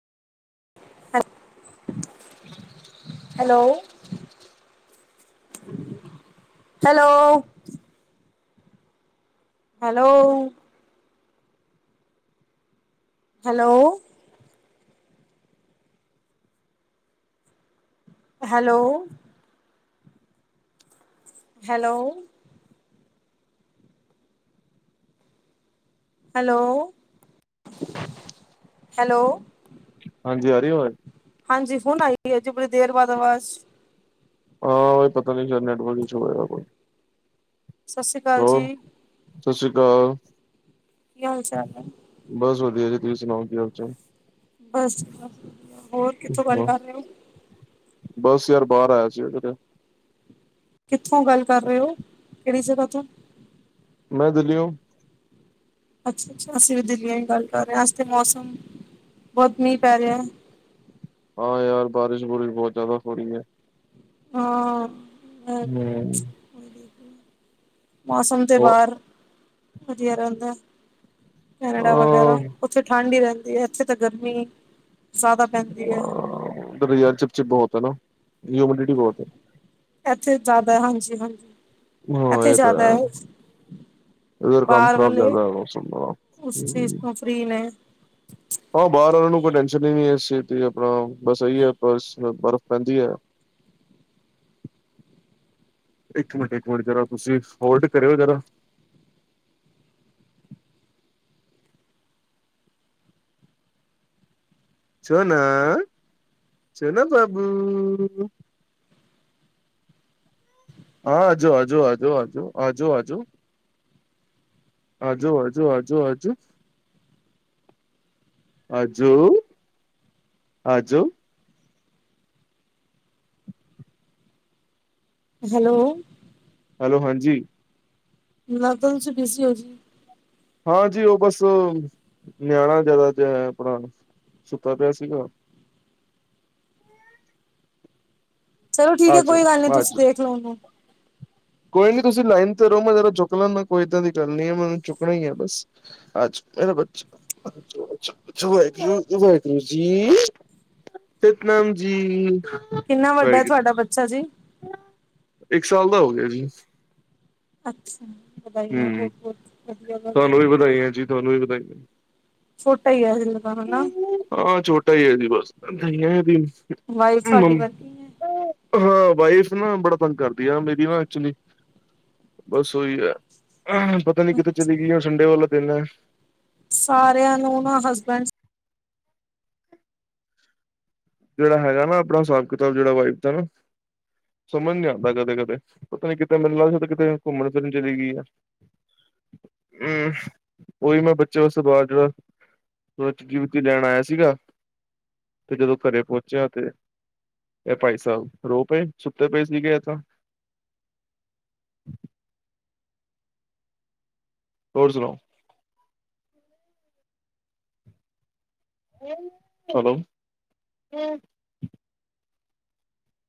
Hello. Hello. Hello. Hello? Hello? Hello? Hello, hello? ਹਾਂਜੀ ਆ ਰਹੀ ਹੈ ਅਵਾਜ਼? ਹਾਂਜੀ ਹੁਣ ਆਈ ਜੀ, ਬੜੀ ਦੇਰ ਬਾਅਦ ਆਵਾਜ਼। ਹਾਂ ਉਹ ਪਤਾ ਨਹੀਂ ਸ਼ਾਇਦ ਨੈਟਵਰਕ ਇਸ਼ੂ ਹੋਏਗਾ ਕੋਈ। ਸਤਿ ਸ੍ਰੀ ਅਕਾਲ ਜੀ। ਹੋਰ ਸਤਿ ਸ੍ਰੀ ਅਕਾਲ। ਕੀ ਹਾਲ ਚਾਲ। ਬਸ ਵਧੀਆ ਜੀ, ਤੁਸੀਂ ਸੁਣਾਓ ਕੀ ਹਾਲ ਚਾਲ। ਬਸ ਜੀ ਵਧੀਆ-ਵਧੀਆ, ਹੋਰ ਕਿੱਥੋਂ ਗੱਲ ਹਾਂ, ਕਰ ਰਹੇ ਹੋ। ਬਸ ਯਾਰ ਬਾਹਰ ਆਇਆ ਸੀ ਕਿਤੇ। ਕਿੱਥੋਂ ਗੱਲ ਕਰ ਰਹੇ ਹੋ, ਕਿਹੜੀ ਜਗ੍ਹਾ ਤੋਂ। ਮੈਂ ਦਿੱਲੀ ਹੂ। ਅੱਛਾ, ਅੱਛਾ ਅਸੀਂ ਵੀ ਦਿੱਲੀਆਂ ਦੀ ਗੱਲ ਕਰ ਰਹੇ ਹਾਂ ਅੱਜ ਤਾਂ ਮੌਸਮ, ਬਹੁਤ ਮੀਂਹ ਪੈ ਰਿਹਾ। ਹਾਂ ਯਾਰ ਬਾਰਿਸ਼ ਬੁਰਿਸ਼ ਬਹੁਤ ਜ਼ਿਆਦਾ ਹੋ ਰਹੀ ਹੈ। ਹਾਂ ਵ ਚ। ਹਮ ਮੌਸਮ ਦੇ ਬਾਹਰ ਵਧੀਆ ਰਹਿੰਦਾ ਕੈਨੇਡਾ ਵਗੈਰਾ। ਉੱਥੇ ਠੰਡ ਹੀ ਰਹਿੰਦੀ ਹੈ, ਇੱਥੇ ਤਾਂ ਗਰਮੀ, ਜ਼ਿਆਦਾ ਪੈਂਦੀ ਹੈ। ਯਾਰ ਚਿਪ-ਚਿਪ ਬਹੁਤ ਹੈ ਨਾ, ਹਿਊਮਿਡਿਟੀ ਬਹੁਤ ਹੈ। ਇੱਥੇ ਜ਼ਿਆਦਾ, ਹਾਂਜੀ-ਹਾਂਜੀ। ਹਾਂ ਇਹ ਤੇ ਹੈ ਇਧਰ ਕੰਮ ਬਾਹਰ ਖ਼ਰਾਬ ਵਾਲੇ ਜ਼ਿਆਦਾ ਹੈ, ਹੋਰ ਸੁਣਾਓ। ਪ੍ਰਰੀ ਔੱ [unintelligible] ਹਾਂ ਬਾਹਰ ਵਾਲਿਆਂ ਨੂੰ ਕੋਈ ਟੈਨਸ਼ਨ ਹੀ ਨ ਹੈ ਇਸ ਚੀਜ਼ ਦਾ ਆਪਣਾ, ਬਸ ਇਹੀ ਹੈ ਪਰ ਬਰਫ਼ ਪੈਂਦੀ ਹੈ [inaudible] ਇੱਕ ਮਿੰਟ, ਇੱਕ ਮਿੰਟ ਜਰਾ ਤੁਸੀਂ ਹੋਲਡ ਕਰਿਓ ਜਰਾ ਸੋਹਨਾ-ਸੋਹਨਾ ਬਾਬੂ ਹਾਂ ਆਜੋ ਆਜੂ ਆਜੂ ਆਜੂ ਆਜੂ ਆਜੂ ਆਜੋ ਆਜੋ ਆਜੋ ਆਜੋ ਆਜੋ ਆਜੋ ਹੈਲੋ ਹੈਲੋ ਹਾਂਜੀ ਲਗਦਾ ਤੁਸੀ ਬਜ਼ੀ ਹੋ ਜੀ ਹਾਂ ਜੀ ਉਹ ਬਸ ਨਿਆਣਾ ਜਿਆਦਾ ਜਿ ਆਪਣਾ ਸੁੱਤਾ ਪਿਆ ਸੀਗਾ ਚਲੋ ਠੀਕ ਹੈ ਆਜੋ ਕੋਈ ਗੱਲ ਨੀ ਤੁਸੀਂ ਆਜੋ ਦੇਖ ਲਓ ਉਹਨੂੰ ਕੋਈ ਨੀ ਤੁਸੀਂ ਲਾਈਨ ਤੇ ਰੋ ਮੈਂ ਜਰਾ ਚੁੱਕ ਲੈਂਦਾ ਕੋਈਏਦਾਂ ਗੱਲ ਨਹੀਂ ਹੈ ਮੈਨੂੰ ਚੁੱਕਣਾ ਹੀ ਹੈ ਬਸ ਅੱਛ ਮੇਰੇ ਬੱਚੇ ਅ ਅੱਛ ਵਾਹਿਗੁਰੂ-ਵਾਹਿਗੁਰੂ ਜੀ ਸਤਨਾਮ ਜੀ। ਕਿੰਨਾ ਵੱਡਾ ਹੈ ਵਾਹਿਗੁਰੂ ਤੁਹਾਡਾ ਬੱਚਾ ਜੀ ਇੱਕ ਸਾਲ ਦਾ ਹੋ ਗਿਆ ਜੀ। ਅੱਛਾ ਵਧਾਈਆਂ ਹੂੰ ਬਹੁਤ ਬਹੁਤ ਵਧੀਆ ਗਲ ਤੁਹਾਨੂੰ ਏ ਵੀ ਵਧਾਈਆਂ ਜੀ ਤੁਹਾਨੂੰ ਵੀ ਪ ਬਤਾਈਦਾ ਛੋਟਾ ਹੀ ਆ ਹਾਂ ਛੋਟਾ ਹੀ ਹੈ ਜ ਬਸਦੀ ਵਾਈਫ ਸਾਡੀ ਵਰਕਿੰਗ ਹੈ ਹਾਂ ਵਾਈਫ ਨਾ ਬੜਾ ਤੰਗ ਕਰਦੀ ਆ ਮੇਰੀ ਨਾ ਐਕਚੁਲੀ ਬਸ ਉਹੀ ਏ, ਪਤਾ ਨੀ ਕਿਤੇੇ ਚਲੀ ਗਈ ਸੰਡੇ ਵਾਲਾ ਦਿਨ ਏ। ਸਾਰਿਆਂ ਨੂੰ ਨਾ ਹਸਬੈਂਡਸ ਜਿਹੜਾ ਹੈਗਾ ਨਾ ਆਪਣਾ ਹਿਸਾਬ ਕਿਤਾਬ ਜਿਹੜਾ ਵਾਈਫ ਦਾ ਨਾ ਸਮਝ ਨੀ ਆਦਾ ਕਦੇ-ਕਦੇ ਪਤਾ ਨੀ ਕਿਤੇ ਮਿਲਨ ਲੱਗ ਸੀ ਕਿਤੇ ਘੁੰਮਣ ਫਿਰਨ ਚਲੀ ਗਈ ਆ। ਹਮ ਉਹੀ ਮੈਂ ਬੱਚਿਆਂ ਵਾਸਤੇ ਬਾਦ ਜਿਹੜਾ ਸਬਜ਼ੀ ਸੋਬਜ਼ੀ ਲੈਣ ਆਇਆ ਸੀਗਾ ਤੇ ਜਦੋਂ ਘਰੇ ਪਹਚਿਆ ਤੇ ਇਹ ਭਾਈ ਸਾਲ ਰੋ ਪਏ ਸੁੱਤੇ ਪਏ ਸੀਗੇ ਤਾਂ ਹੋਰ ਸੁਣਾਓ ਚਲੋ